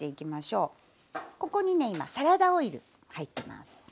ここにね今サラダオイル入ってます。